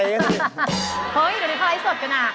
เฮ้ยเดี๋ยวนี้เขาไล่สดกันอ่ะ